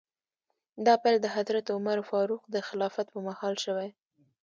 دا پیل د حضرت عمر فاروق د خلافت په مهال شوی.